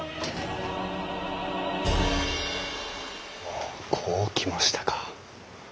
ほうこう来ましたか。